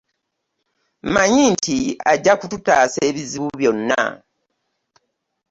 Mmanyi nti ajja kututaasa ebizbu byonna.